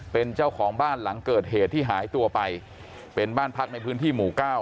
เป็นเจ้าของบ้านหลังเกิดเหตุที่หายตัวไปเป็นบ้านพักในพื้นที่หมู่เก้า